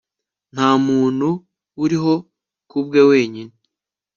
nta muntu uriho kubwe wenyine